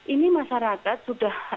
ini masyarakat sudah